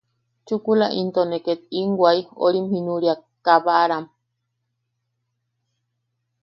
Chukula, into ne nim wai... orim jinuriawak... kabaram.